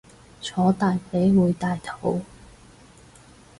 坐大髀會大肚